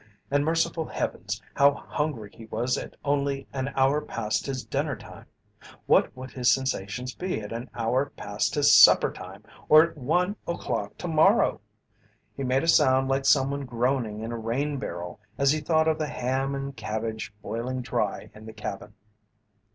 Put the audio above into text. And merciful heavens, how hungry he was at only an hour past his dinner time; what would his sensations be at an hour past his supper time or at one o'clock to morrow? He made a sound like someone groaning in a rain barrel as he thought of the ham and cabbage boiling dry in the cabin.